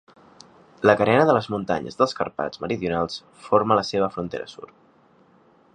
La carena de les muntanyes dels Carpats meridionals forma la seva frontera sud.